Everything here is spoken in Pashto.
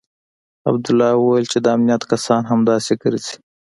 عبدالله وويل چې د امنيت کسان همداسې ګرځي.